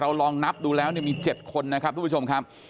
ลองนับดูแล้วมี๗คนนะครับทุกผู้ชมครับ